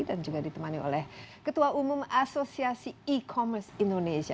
dan juga ditemani oleh ketua umum asosiasi e commerce indonesia